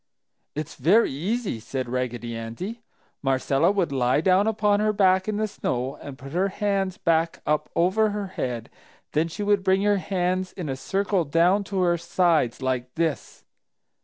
"It's very easy!" said Raggedy Andy. "Marcella would lie down upon her back in the snow and put her hands back up over her head, then she would bring her hands in a circle down to her sides, like this."